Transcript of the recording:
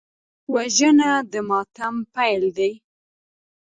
وژنه د ماتم پیل دی